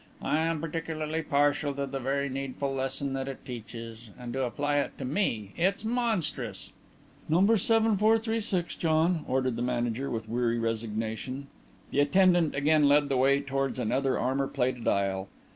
I'm particularly partial to the very needful lesson that it teaches. And to apply it to me! It's monstrous!" "No. 7436, John," ordered the manager, with weary resignation. The attendant again led the way towards another armour plated aisle.